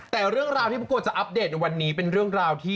แต่เรื่องราวที่ประกวดจะอัปเดตในวันนี้เป็นเรื่องราวที่